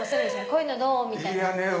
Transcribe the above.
こういうのどう？みたいな。